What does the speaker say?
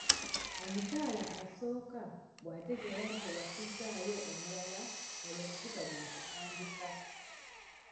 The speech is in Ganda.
Omukyala asooka bw'ategeera nti owasizzaayo omulala olwo okuvuganya ne kutandika.